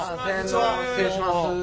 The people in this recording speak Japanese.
失礼します。